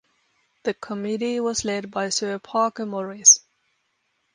The committee was led by Sir Parker Morris.